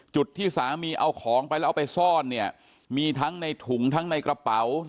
ที่สามีเอาของไปแล้วเอาไปซ่อนเนี่ยมีทั้งในถุงทั้งในกระเป๋า